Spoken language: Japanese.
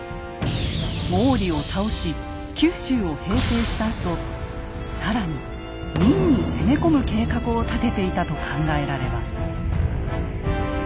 毛利を倒し九州を平定したあと更に明に攻め込む計画を立てていたと考えられます。